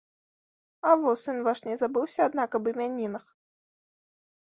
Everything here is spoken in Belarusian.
А во, сын ваш не забыўся, аднак, аб імянінах?